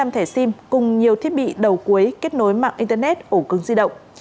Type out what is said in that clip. bốn mươi năm thẻ sim cùng nhiều thiết bị đầu cuối kết nối mạng internet ổ cứng di động